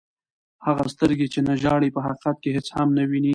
هغه سترګي، چي نه ژاړي په حقیقت کښي هيڅ هم نه ويني.